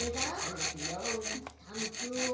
スタンプを。